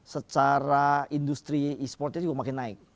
secara industri esportsnya juga makin naik